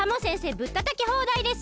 ぶったたきほうだいですよ。